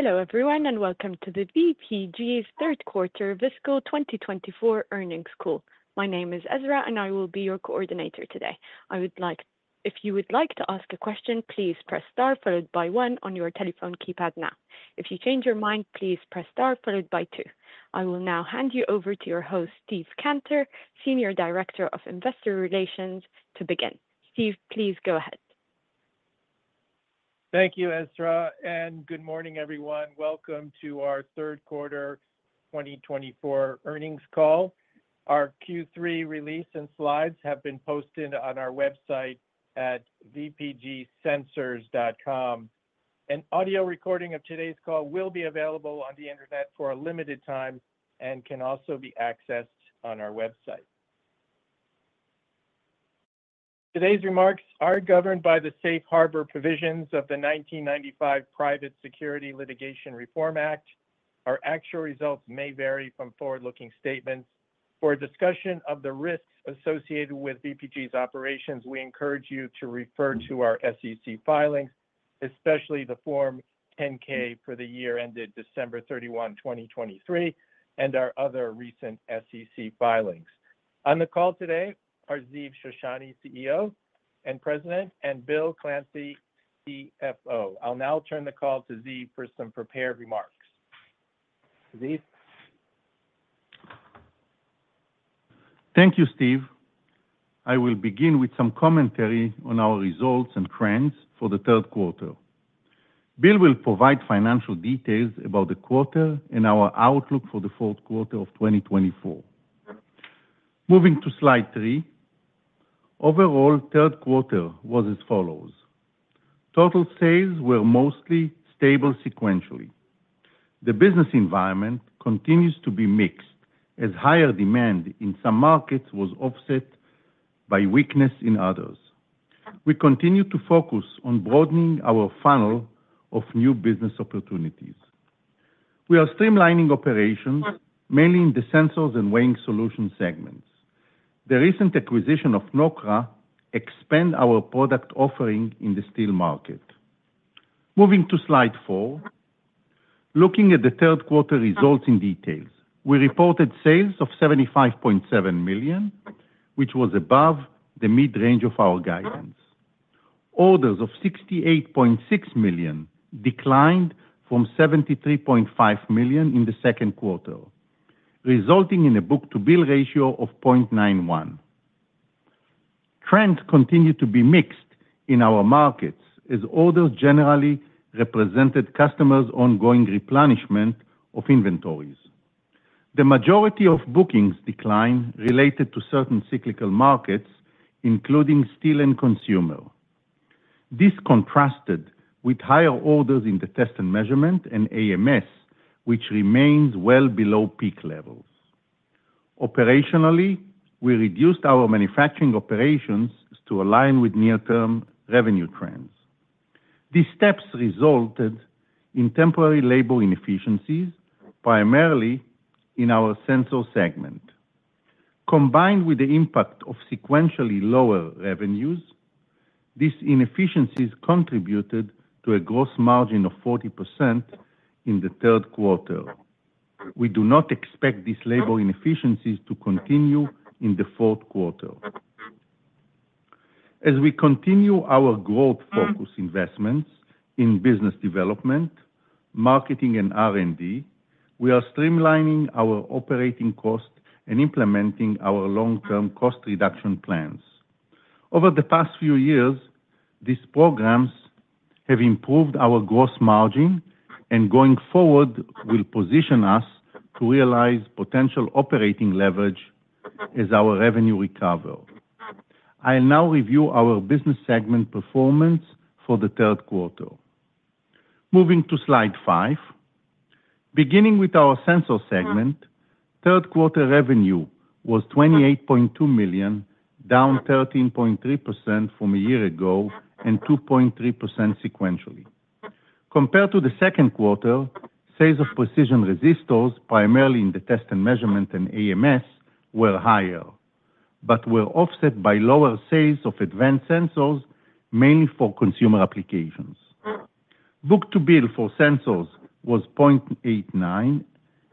Hello everyone and welcome to the VPG's third quarter FY 2024 earnings call. My name is Ezra and I will be your coordinator today. I would like, if you would like to ask a question, please press star followed by one on your telephone keypad now. If you change your mind, please press star followed by two. I will now hand you over to your host, Steve Cantor, Senior Director of Investor Relations, to begin. Steve, please go ahead. Thank you, Ezra, and good morning everyone. Welcome to our third quarter 2024 earnings call. Our Q3 release and slides have been posted on our website at vpgsensors.com, and audio recording of today's call will be available on the internet for a limited time and can also be accessed on our website. Today's remarks are governed by the safe harbor provisions of the 1995 Private Securities Litigation Reform Act. Our actual results may vary from forward-looking statements. For discussion of the risks associated with VPG's operations, we encourage you to refer to our SEC filings, especially the Form 10-K for the year ended December 31, 2023, and our other recent SEC filings. On the call today are Ziv Shoshani, CEO and President, and Bill Clancy, CFO. I'll now turn the call to Ziv for some prepared remarks. Ziv. Thank you, Steve. I will begin with some commentary on our results and trends for the third quarter. Bill will provide financial details about the quarter and our outlook for the fourth quarter of 2024. Moving to slide three, overall third quarter was as follows: total sales were mostly stable sequentially. The business environment continues to be mixed as higher demand in some markets was offset by weakness in others. We continue to focus on broadening our funnel of new business opportunities. We are streamlining operations mainly in the sensors and weighing solution segments. The recent acquisition of Nokra expands our product offering in the steel market. Moving to slide four, looking at the third quarter results in detail, we reported sales of $75.7 million, which was above the mid-range of our guidance. Orders of 68.6 million declined from 73.5 million in the second quarter, resulting in a book-to-bill ratio of 0.91. Trends continue to be mixed in our markets as orders generally represented customers' ongoing replenishment of inventories. The majority of bookings declined related to certain cyclical markets, including steel and consumer. This contrasted with higher orders in the test and measurement and AMS, which remains well below peak levels. Operationally, we reduced our manufacturing operations to align with near-term revenue trends. These steps resulted in temporary labor inefficiencies, primarily in our sensor segment. Combined with the impact of sequentially lower revenues, these inefficiencies contributed to a gross margin of 40% in the third quarter. We do not expect these labor inefficiencies to continue in the fourth quarter. As we continue our growth-focused investments in business development, marketing, and R&D, we are streamlining our operating costs and implementing our long-term cost reduction plans. Over the past few years, these programs have improved our gross margin and going forward will position us to realize potential operating leverage as our revenue recovers. I'll now review our business segment performance for the third quarter. Moving to slide five, beginning with our sensor segment, third quarter revenue was $28.2 million, down 13.3% from a year ago and 2.3% sequentially. Compared to the second quarter, sales of precision resistors, primarily in the test and measurement and AMS, were higher but were offset by lower sales of advanced sensors, mainly for consumer applications. Book-to-bill for sensors was 0.89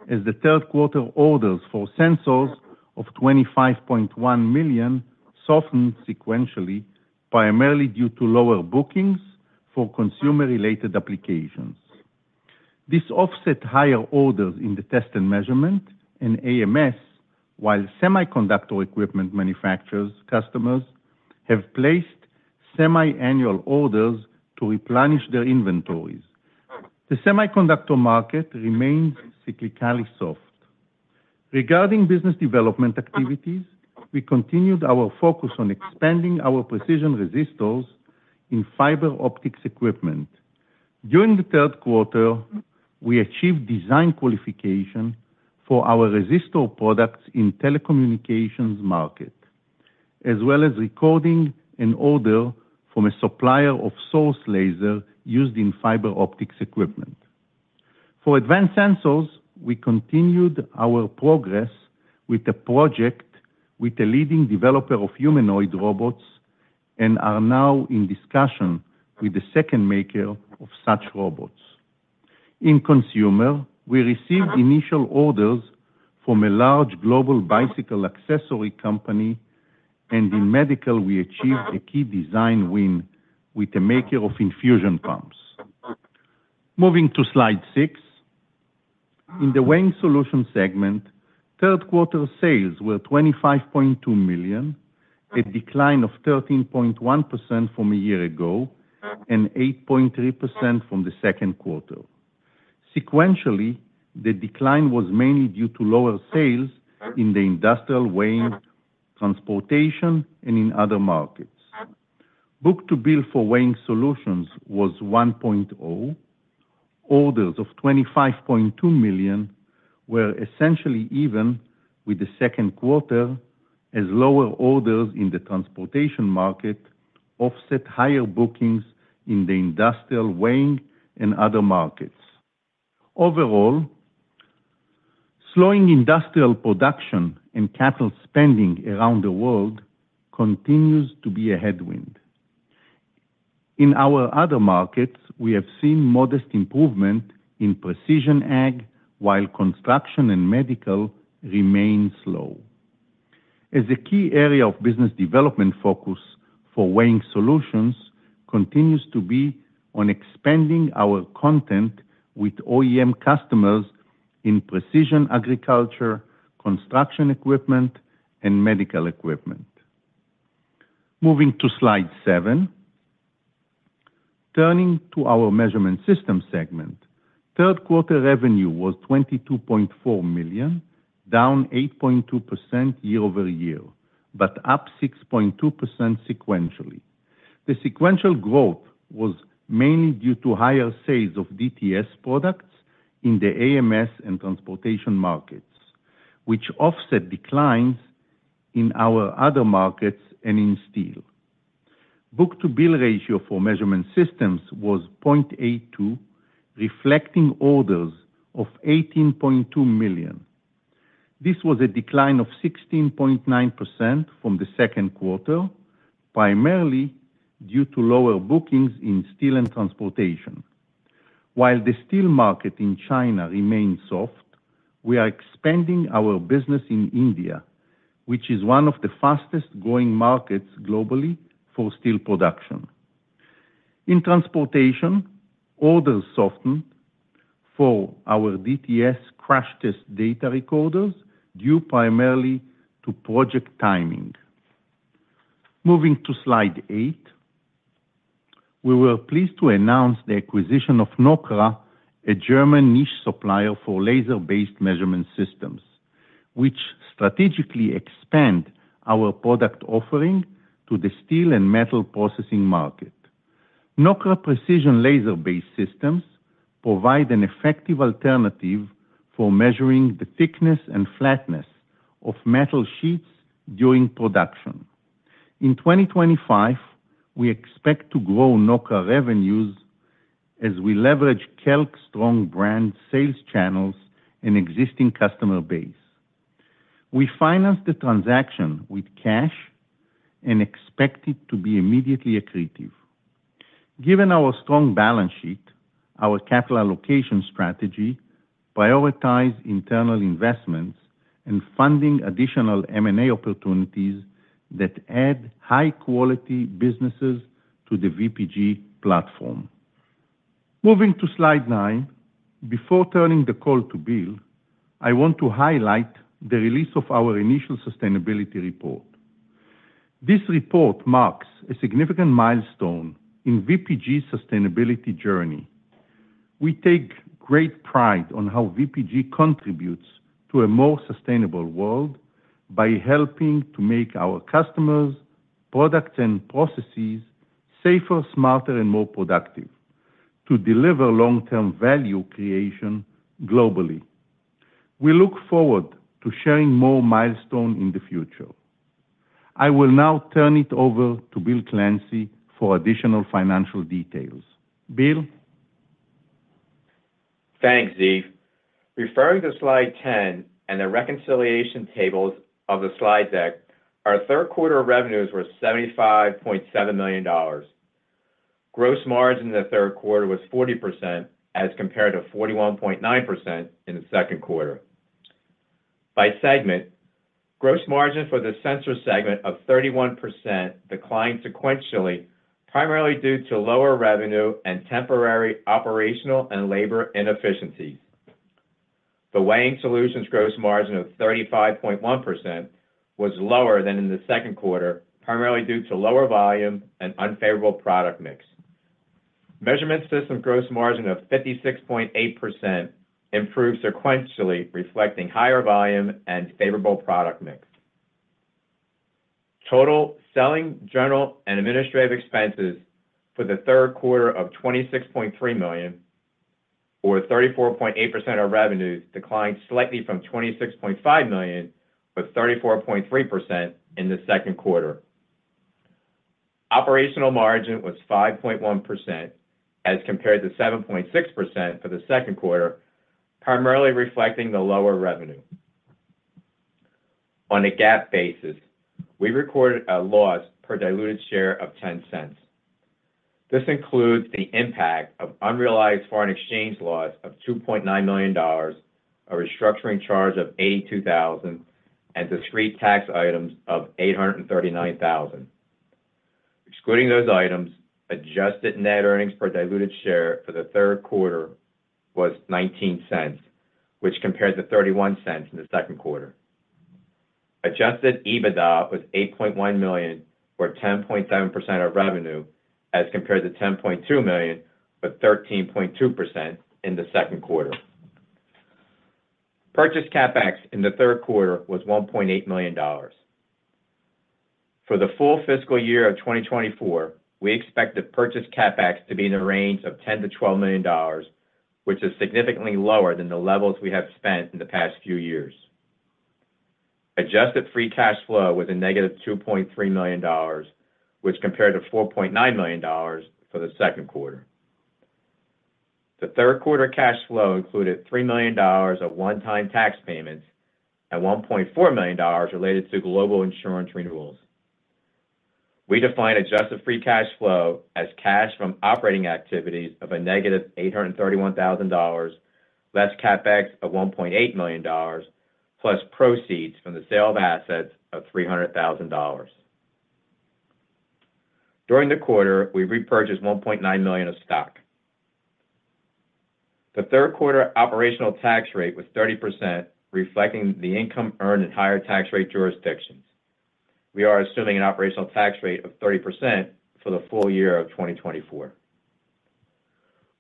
as the third quarter orders for sensors of $25.1 million softened sequentially, primarily due to lower bookings for consumer-related applications. This offset higher orders in the test and measurement and AMS, while semiconductor equipment manufacturers' customers have placed semi-annual orders to replenish their inventories. The semiconductor market remains cyclically soft. Regarding business development activities, we continued our focus on expanding our precision resistors in fiber optics equipment. During the third quarter, we achieved design qualification for our resistor products in telecommunications market, as well as recording an order from a supplier of source laser used in fiber optics equipment. For advanced sensors, we continued our progress with a project with a leading developer of humanoid robots and are now in discussion with the second maker of such robots. In consumer, we received initial orders from a large global bicycle accessory company, and in medical, we achieved a key design win with a maker of infusion pumps. Moving to slide six, in the weighing solution segment, third quarter sales were $25.2 million, a decline of 13.1% from a year ago and 8.3% from the second quarter. Sequentially, the decline was mainly due to lower sales in the industrial weighing, transportation, and in other markets. Book-to-bill for weighing solutions was 1.0. Orders of $25.2 million were essentially even with the second quarter as lower orders in the transportation market offset higher bookings in the industrial weighing and other markets. Overall, slowing industrial production and capital spending around the world continues to be a headwind. In our other markets, we have seen modest improvement in precision ag while construction and medical remain slow. As a key area of business development focus for weighing solutions continues to be on expanding our content with OEM customers in precision agriculture, construction equipment, and medical equipment. Moving to slide seven, turning to our measurement system segment, third quarter revenue was $22.4 million, down 8.2% year over year but up 6.2% sequentially. The sequential growth was mainly due to higher sales of DTS products in the AMS and transportation markets, which offset declines in our other markets and in steel. Book-to-bill ratio for measurement systems was 0.82, reflecting orders of $18.2 million. This was a decline of 16.9% from the second quarter, primarily due to lower bookings in steel and transportation. While the steel market in China remains soft, we are expanding our business in India, which is one of the fastest-growing markets globally for steel production. In transportation, orders softened for our DTS crash test data recorders due primarily to project timing. Moving to slide eight, we were pleased to announce the acquisition of Nokra, a German niche supplier for laser-based measurement systems, which strategically expand our product offering to the steel and metal processing market. Nokra precision laser-based systems provide an effective alternative for measuring the thickness and flatness of metal sheets during production. In 2025, we expect to grow Nokra revenues as we leverage Kelk strong brand sales channels and existing customer base. We financed the transaction with cash and expect it to be immediately accretive. Given our strong balance sheet, our capital allocation strategy prioritizes internal investments and funding additional M&A opportunities that add high-quality businesses to the VPG platform. Moving to slide nine, before turning the call to Bill, I want to highlight the release of our initial sustainability report. This report marks a significant milestone in VPG's sustainability journey. We take great pride in how VPG contributes to a more sustainable world by helping to make our customers' products and processes safer, smarter, and more productive to deliver long-term value creation globally. We look forward to sharing more milestones in the future. I will now turn it over to Bill Clancy for additional financial details. Bill. Thanks, Ziv. Referring to slide 10 and the reconciliation tables of the slide deck, our third quarter revenues were $75.7 million. Gross margin in the third quarter was 40% as compared to 41.9% in the second quarter. By segment, gross margin for the sensor segment of 31% declined sequentially, primarily due to lower revenue and temporary operational and labor inefficiencies. The weighing solutions gross margin of 35.1% was lower than in the second quarter, primarily due to lower volume and unfavorable product mix. Measurement system gross margin of 56.8% improved sequentially, reflecting higher volume and favorable product mix. Total selling, general, and administrative expenses for the third quarter of $26.3 million, or 34.8% of revenues, declined slightly from $26.5 million, or 34.3% in the second quarter. Operational margin was 5.1% as compared to 7.6% for the second quarter, primarily reflecting the lower revenue. On a GAAP basis, we recorded a loss per diluted share of $0.10. This includes the impact of unrealized foreign exchange loss of $2.9 million, a restructuring charge of $82,000, and discrete tax items of $839,000. Excluding those items, adjusted net earnings per diluted share for the third quarter was $0.19, which compared to $0.31 in the second quarter. Adjusted EBITDA was $8.1 million, or 10.7% of revenue, as compared to $10.2 million, or 13.2% in the second quarter. Purchase CapEx in the third quarter was $1.8 million. For the full fiscal year of 2024, we expect the purchase CapEx to be in the range of $10 to $12 million, which is significantly lower than the levels we have spent in the past few years. Adjusted free cash flow was a negative $2.3 million, which compared to $4.9 million for the second quarter. The third quarter cash flow included $3 million of one-time tax payments and $1.4 million related to global insurance renewals. We define adjusted free cash flow as cash from operating activities of a negative $831,000, less CapEx of $1.8 million, plus proceeds from the sale of assets of $300,000. During the quarter, we repurchased 1.9 million of stock. The third quarter operational tax rate was 30%, reflecting the income earned in higher tax rate jurisdictions. We are assuming an operational tax rate of 30% for the full year of 2024.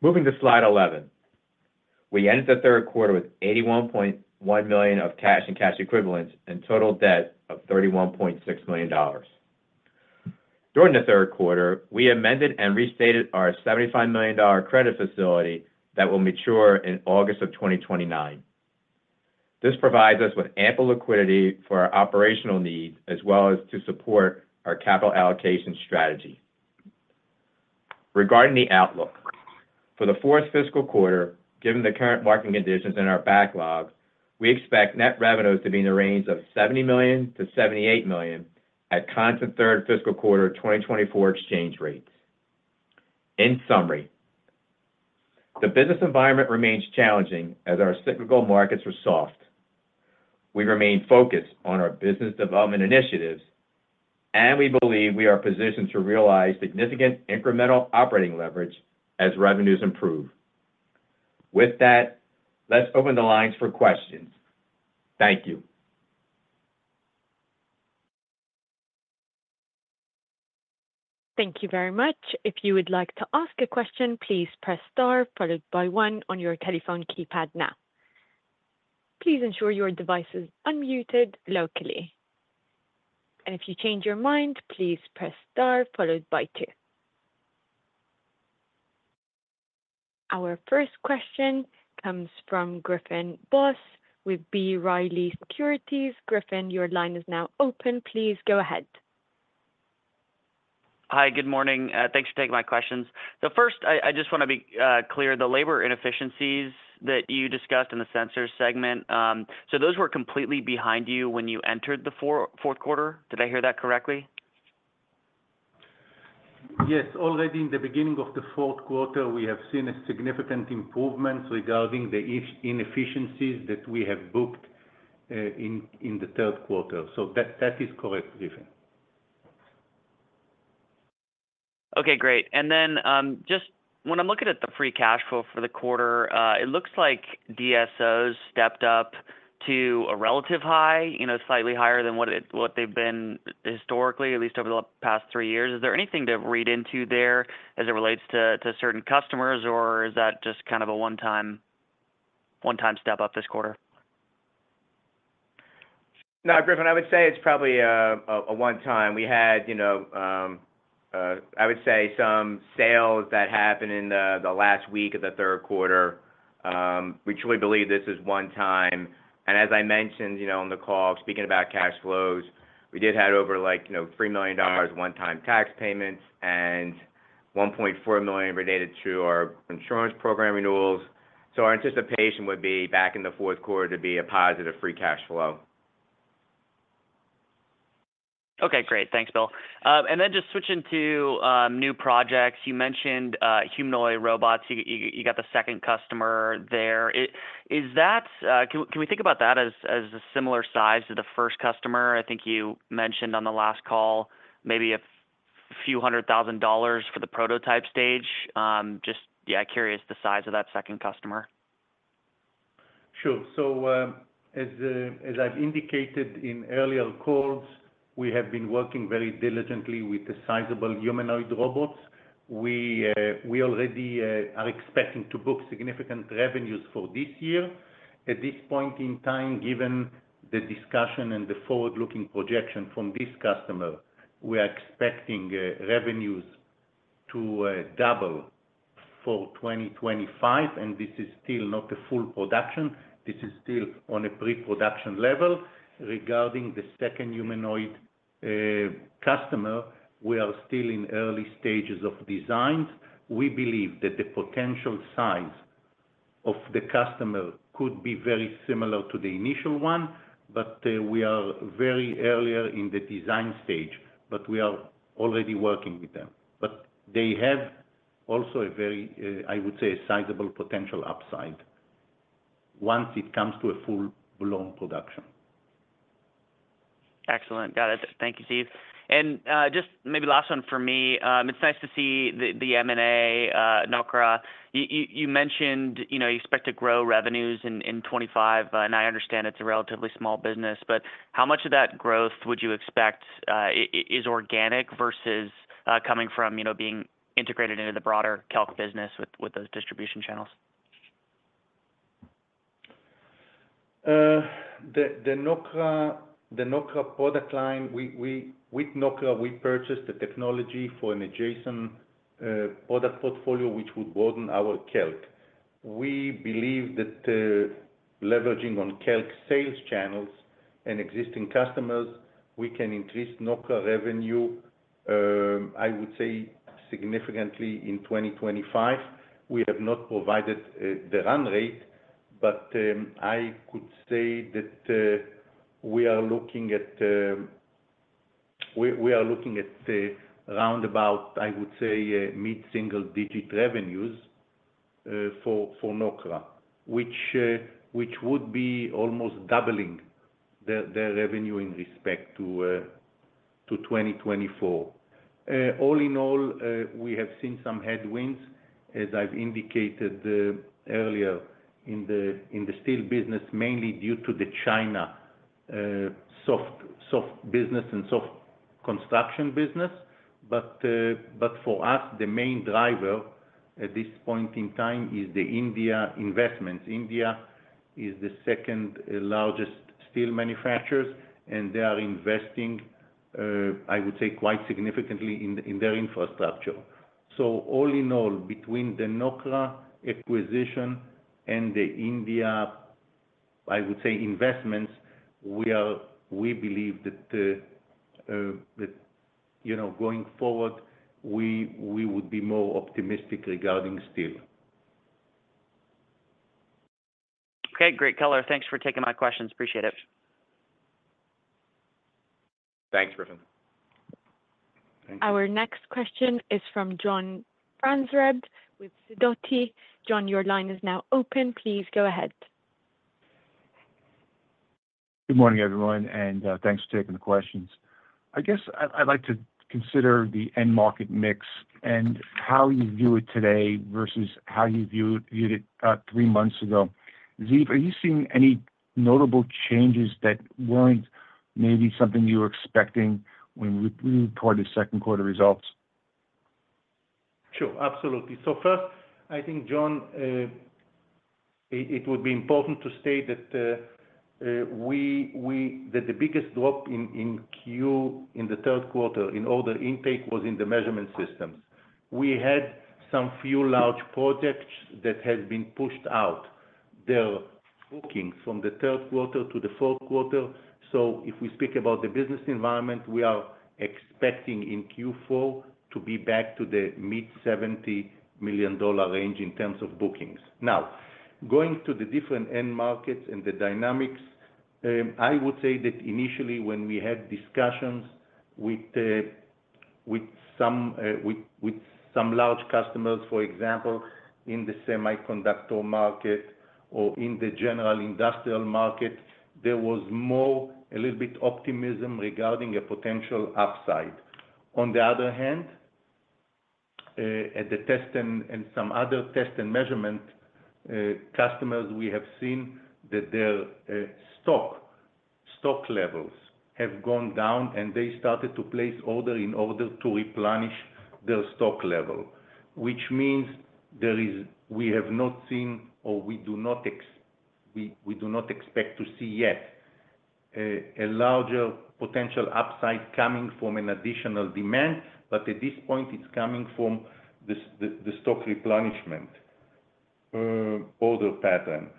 Moving to slide 11, we ended the third quarter with $81.1 million of cash and cash equivalents and total debt of $31.6 million. During the third quarter, we amended and restated our $75 million credit facility that will mature in August of 2029. This provides us with ample liquidity for our operational needs as well as to support our capital allocation strategy. Regarding the outlook, for the fourth fiscal quarter, given the current market conditions in our backlog, we expect net revenues to be in the range of $70 million-$78 million at constant third fiscal quarter 2024 exchange rates. In summary, the business environment remains challenging as our cyclical markets are soft. We remain focused on our business development initiatives, and we believe we are positioned to realize significant incremental operating leverage as revenues improve. With that, let's open the lines for questions. Thank you. Thank you very much. If you would like to ask a question, please press star followed by one on your telephone keypad now. Please ensure your device is unmuted locally. And if you change your mind, please press star followed by two. Our first question comes from Griffin Boss with B. Riley Securities. Griffin, your line is now open. Please go ahead. Hi, good morning. Thanks for taking my questions. So first, I just want to be clear, the labor inefficiencies that you discussed in the sensor segment, so those were completely behind you when you entered the fourth quarter. Did I hear that correctly? Yes. Already in the beginning of the fourth quarter, we have seen significant improvements regarding the inefficiencies that we have booked in the third quarter. So that is correct, Griffin. Okay, great, and then just when I'm looking at the free cash flow for the quarter, it looks like DSOs stepped up to a relative high, slightly higher than what they've been historically, at least over the past three years. Is there anything to read into there as it relates to certain customers, or is that just kind of a one-time step up this quarter? No, Griffin, I would say it's probably a one-time. We had, I would say, some sales that happened in the last week of the third quarter. We truly believe this is one-time. And as I mentioned on the call, speaking about cash flows, we did have over $3 million one-time tax payments and $1.4 million related to our insurance program renewals. So our anticipation would be back in the fourth quarter to be a positive free cash flow. Okay, great. Thanks, Bill. And then just switching to new projects, you mentioned humanoid robots. You got the second customer there. Can we think about that as a similar size to the first customer? I think you mentioned on the last call maybe a few hundred thousand dollars for the prototype stage. Just, yeah, curious the size of that second customer. Sure. So as I've indicated in earlier calls, we have been working very diligently with the sizable humanoid robots. We already are expecting to book significant revenues for this year. At this point in time, given the discussion and the forward-looking projection from this customer, we are expecting revenues to double for 2025, and this is still not the full production. This is still on a pre-production level. Regarding the second humanoid customer, we are still in early stages of design. We believe that the potential size of the customer could be very similar to the initial one, but we are very early in the design stage, but we are already working with them. But they have also a very, I would say, sizable potential upside once it comes to a full-blown production. Excellent. Got it. Thank you, Ziv. And just maybe last one for me. It's nice to see the M&A Nokra. You mentioned you expect to grow revenues in 2025, and I understand it's a relatively small business, but how much of that growth would you expect is organic versus coming from being integrated into the broader Kelk business with those distribution channels? The Nokra product line, with Nokra, we purchased the technology for an adjacent product portfolio which would broaden our Kelk. We believe that leveraging on Kelk sales channels and existing customers, we can increase Nokra revenue, I would say, significantly in 2025. We have not provided the run rate, but I could say that we are looking at roundabout, I would say, mid-single-digit revenues for Nokra, which would be almost doubling their revenue in respect to 2024. All in all, we have seen some headwinds, as I've indicated earlier, in the steel business, mainly due to the China soft business and soft construction business, but for us, the main driver at this point in time is the India investments. India is the second largest steel manufacturer, and they are investing, I would say, quite significantly in their infrastructure. So all in all, between the Nokra acquisition and the India, I would say, investments, we believe that going forward, we would be more optimistic regarding steel. Okay, great. color, thanks for taking my questions. Appreciate it. Thanks, Griffin. Thank you. Our next question is from John Franzreb with Sidoti. John, your line is now open. Please go ahead. Good morning, everyone, and thanks for taking the questions. I guess I'd like to consider the end market mix and how you view it today versus how you viewed it three months ago. Ziv, are you seeing any notable changes that weren't maybe something you were expecting when we reported the second quarter results? Sure, absolutely. So first, I think, John, it would be important to state that the biggest drop in Q in the third quarter in order intake was in the measurement systems. We had some few large projects that had been pushed out their bookings from the third quarter to the fourth quarter. So if we speak about the business environment, we are expecting in Q4 to be back to the mid-$70 million range in terms of bookings. Now, going to the different end markets and the dynamics, I would say that initially when we had discussions with some large customers, for example, in the semiconductor market or in the general industrial market, there was more a little bit optimism regarding a potential upside. On the other hand, at the test and some other test and measurement customers, we have seen that their stock levels have gone down, and they started to place order in order to replenish their stock level, which means we have not seen, or we do not expect to see yet a larger potential upside coming from an additional demand, but at this point, it's coming from the stock replenishment order pattern.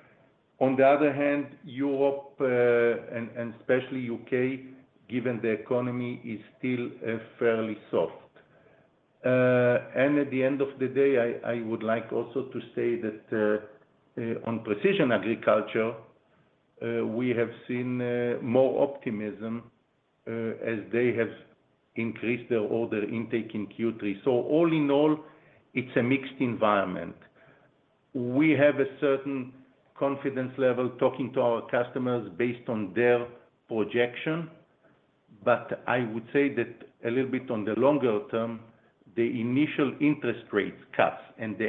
On the other hand, Europe and especially the UK, given the economy, is still fairly soft, and at the end of the day, I would like also to say that on precision agriculture, we have seen more optimism as they have increased their order intake in Q3, so all in all, it's a mixed environment. We have a certain confidence level talking to our customers based on their projection, but I would say that a little bit on the longer term, the initial interest rate cuts and the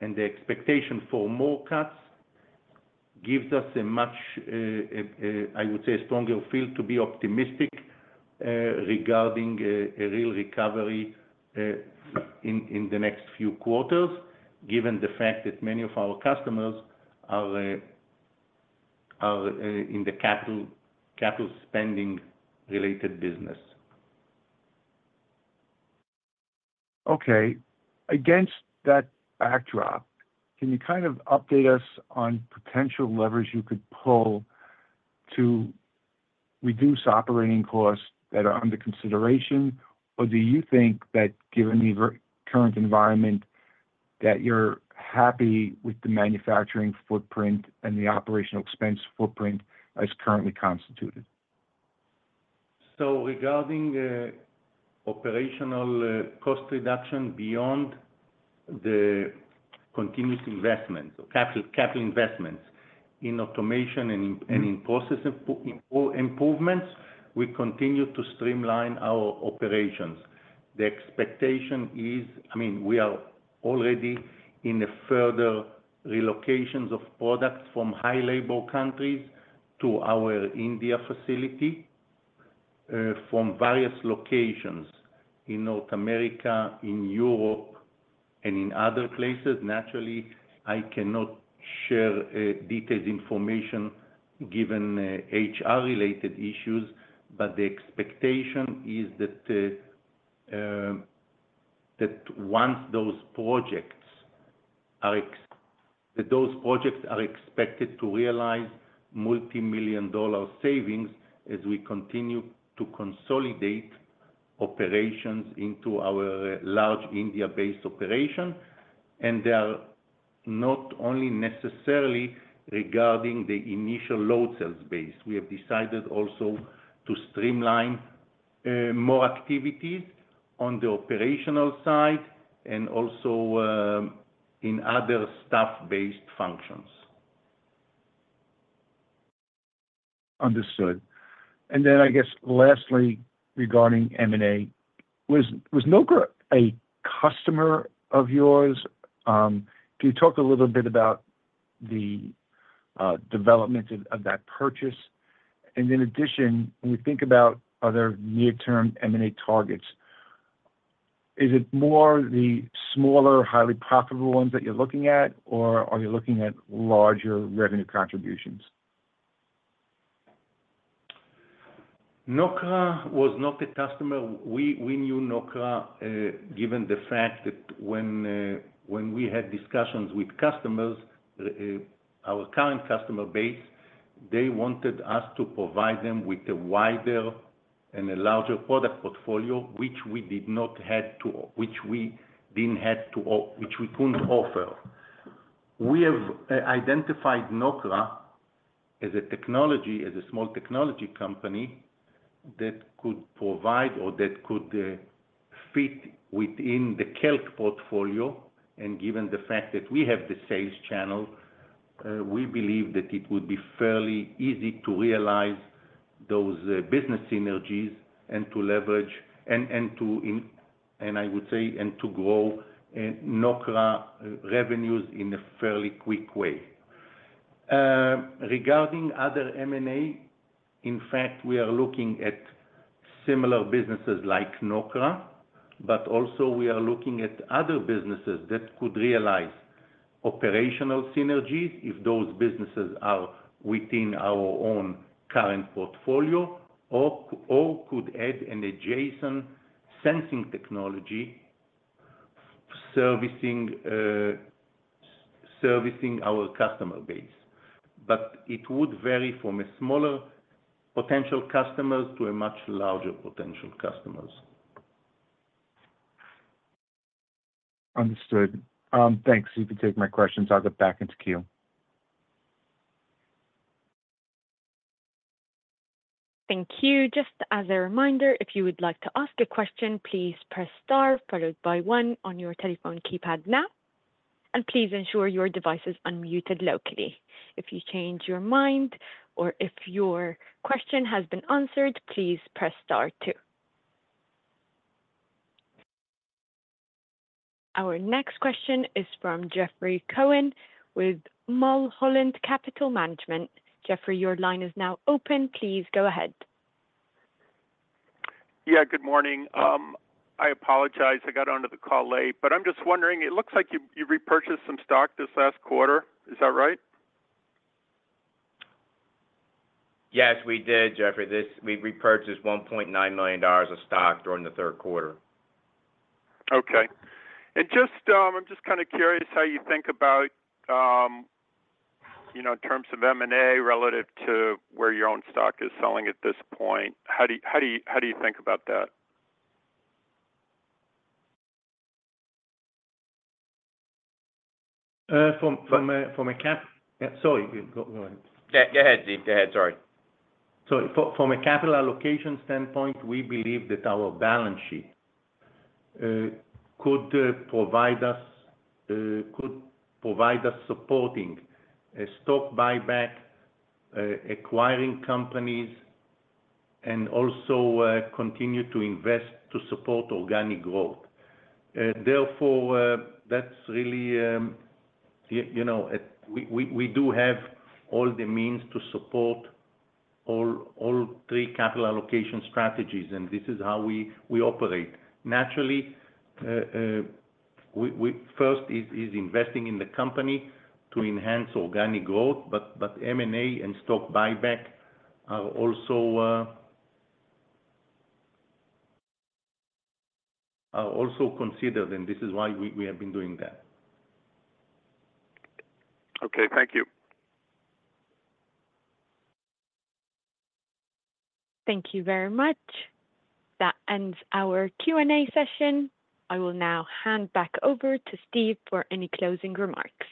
expectation for more cuts gives us a much, I would say, stronger feel to be optimistic regarding a real recovery in the next few quarters, given the fact that many of our customers are in the capital spending-related business. Okay. Against that backdrop, can you kind of update us on potential levers you could pull to reduce operating costs that are under consideration, or do you think that given the current environment that you're happy with the manufacturing footprint and the operational expense footprint as currently constituted? Regarding the operational cost reduction beyond the continuous investments, capital investments in automation and in process improvements, we continue to streamline our operations. The expectation is, I mean, we are already in further relocations of products from high-cost countries to our India facility from various locations in North America, in Europe, and in other places. Naturally, I cannot share detailed information given HR-related issues, but the expectation is that once those projects are expected to realize multi-million-dollar savings as we continue to consolidate operations into our large India-based operation, and they are not only necessarily regarding the initial load cells base. We have decided also to streamline more activities on the operational side and also in other staff-based functions. Understood. And then I guess lastly, regarding M&A, was Nokra a customer of yours? Can you talk a little bit about the development of that purchase? And in addition, when we think about other near-term M&A targets, is it more the smaller, highly profitable ones that you're looking at, or are you looking at larger revenue contributions? Nokra was not a customer. We knew Nokra given the fact that when we had discussions with customers, our current customer base, they wanted us to provide them with a wider and a larger product portfolio, which we did not have to, which we didn't have to, which we couldn't offer. We have identified Nokra as a small technology company that could provide or that could fit within the Kelk portfolio. And given the fact that we have the sales channel, we believe that it would be fairly easy to realize those business synergies and to leverage and to, and I would say, and to grow Nokra revenues in a fairly quick way. Regarding other M&A, in fact, we are looking at similar businesses like Nokra, but also we are looking at other businesses that could realize operational synergies if those businesses are within our own current portfolio or could add an adjacent sensing technology servicing our customer base. But it would vary from smaller potential customers to much larger potential customers. Understood. Thanks. You can take my questions. I'll get back into Q. Thank you. Just as a reminder, if you would like to ask a question, please press star followed by one on your telephone keypad now. And please ensure your device is unmuted locally. If you change your mind or if your question has been answered, please press star two. Our next question is from Jeffrey Cohen with Mulholland Capital Management. Jeffrey, your line is now open. Please go ahead. Yeah, good morning. I apologize. I got onto the call late, but I'm just wondering, it looks like you repurchased some stock this last quarter. Is that right? Yes, we did, Jeffrey. We repurchased $1.9 million of stock during the third quarter. Okay. And I'm just kind of curious how you think about in terms of M&A relative to where your own stock is selling at this point? How do you think about that? From a CapEx. Sorry, go ahead. Go ahead, Ziv. Go ahead. Sorry. So from a capital allocation standpoint, we believe that our balance sheet could provide us supporting stock buyback, acquiring companies, and also continue to invest to support organic growth. Therefore, that's really we do have all the means to support all three capital allocation strategies, and this is how we operate. Naturally, first is investing in the company to enhance organic growth, but M&A and stock buyback are also considered, and this is why we have been doing that. Okay. Thank you. Thank you very much. That ends our Q&A session. I will now hand back over to Steve for any closing remarks.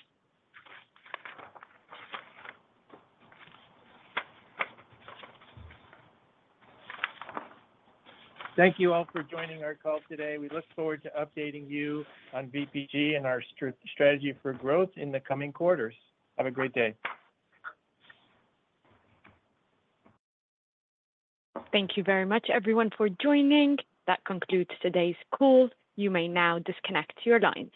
Thank you all for joining our call today. We look forward to updating you on VPG and our strategy for growth in the coming quarters. Have a great day. Thank you very much, everyone, for joining. That concludes today's call. You may now disconnect your lines.